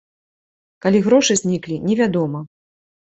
Калі грошы зніклі, невядома.